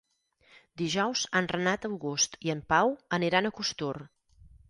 Dijous en Renat August i en Pau aniran a Costur.